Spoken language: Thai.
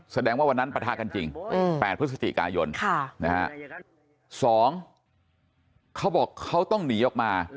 แสดงว่าวันนั้นประทากันจริงอืมแปดพฤศจิกายนค่ะนะฮะสองเขาบอกเขาต้องหนีออกมา